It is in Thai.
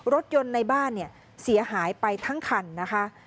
รถยนต์ในบ้านเนี่ยเสียหายไปทั้งคันนะคะ